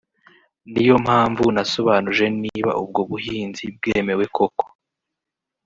Ni yo mpamvu nasobanuje niba ubwo buhinzi bwemewe koko